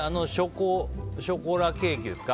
ショコラケーキですか